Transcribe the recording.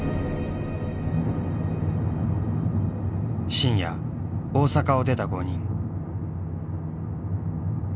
深夜大阪を出た５人。